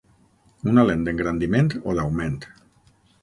Una lent d'engrandiment o d'augment.